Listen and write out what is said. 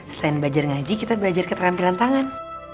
selain belajar ngaji kita belajar keterampilan tangan